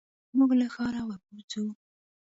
موږ له ښاره ور وځو.